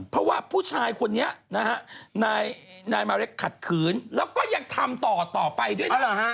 เพราะว่าผู้ชายคนนี้นะฮะนายมาเล็กขัดขืนแล้วก็ยังทำต่อต่อไปด้วยนะ